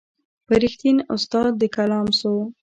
پر رښتین استاد کلام سو